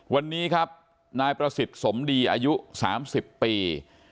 วันนี้ครับนายประสิทธิ์สมดีอายุ๓๐ปี